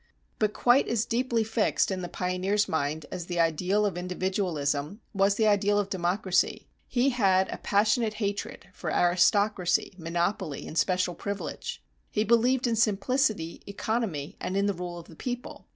But quite as deeply fixed in the pioneer's mind as the ideal of individualism was the ideal of democracy. He had a passionate hatred for aristocracy, monopoly and special privilege; he believed in simplicity, economy and in the rule of the people.